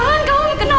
susah diu segai cantik